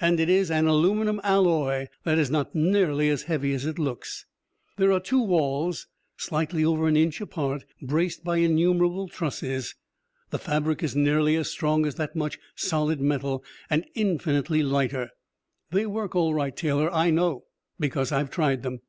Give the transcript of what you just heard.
And it is an aluminum alloy that is not nearly as heavy as it looks. There are two walls, slightly over an inch apart, braced by innumerable trusses. The fabric is nearly as strong as that much solid metal, and infinitely lighter. They work all right, Taylor. I know, because I've tried them."